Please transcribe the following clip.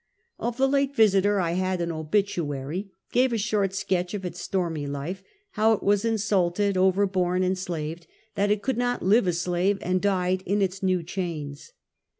Of the late Visiter I had an obituary; gave a short sketch of its stormy life; how it was insulted, over borne, enslaved; that it could not live a slave, and died in its new chains.